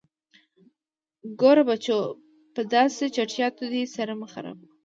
_ګوره بچو، په داسې چټياټو دې سر مه خرابوه.